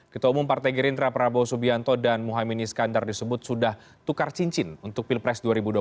ketua umum partai gerindra prabowo subianto dan muhaymin iskandar disebut sudah tukar cincin untuk pilpres dua ribu dua puluh empat